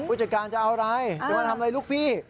ผู้จัดการจะเอาอะไรจะมาทำอะไรลูกพี่